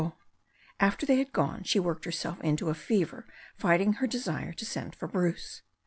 After they had gone she worked herself into a fever fighting her desire to send for Bruce.